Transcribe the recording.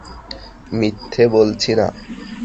মিথ্যে বলছি না।